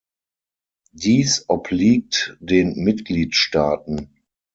Dies obliegt den Mitgliedstaaten.